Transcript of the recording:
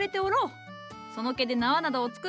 その毛で縄などを作るんじゃ。